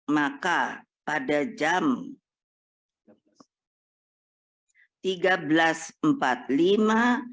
maka pada jam tiga belas empat puluh lima